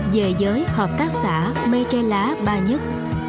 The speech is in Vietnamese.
về giới hợp tác xã mây tre lá ba nhất